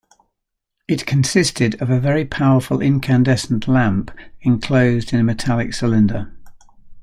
It consisted of a very powerful incandescent lamp enclosed in a metallic cylinder.